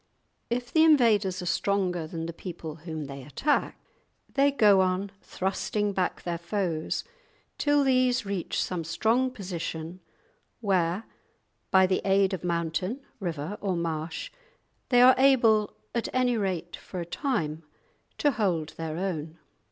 If the invaders are stronger than the people whom they attack, they go on thrusting back their foes till these reach some strong position where, by the aid of mountain, river, or marsh, they are able, at any rate for a time, to hold their own.